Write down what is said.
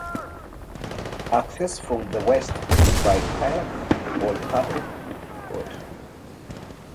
Access from the west is by kayak or paddle board.